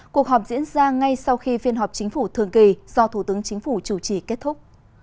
cuộc họp diễn ra ngay sau khi phiên họp chính phủ thường kỳ do thủ tướng chính phủ chủ trì kết thúc